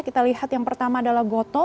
kita lihat yang pertama adalah goto